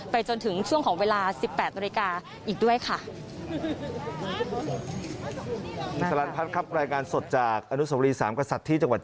จนถึงช่วงของเวลา๑๘นาฬิกาอีกด้วยค่ะ